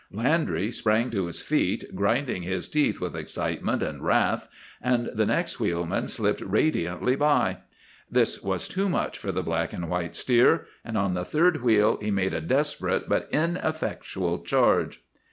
Landry sprang to his feet, grinding his teeth with excitement and wrath, and the next wheelman slipped radiantly by. This was too much for the black and white steer, and on the third wheel he made a desperate but ineffectual charge.